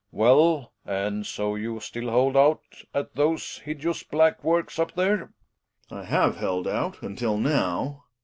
Well, and so you still h old out at those hideous black Works up the re? Gregers. I have held out until now.